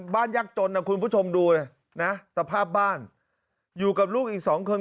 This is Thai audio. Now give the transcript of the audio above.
ยากจนนะคุณผู้ชมดูเลยนะสภาพบ้านอยู่กับลูกอีกสองคน